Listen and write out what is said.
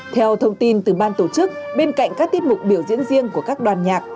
theo thông tin từ ban tổ chức bên cạnh các tiết mục biểu diễn riêng của các đoàn nhạc